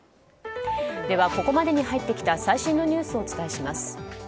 ここまで入ってきた最新のニュースをお伝えします。